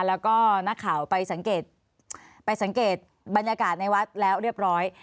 แล้วก็นักข่าวไปสังเกตไปสังเกตบรรยากาศในวัดแล้วเรียบร้อย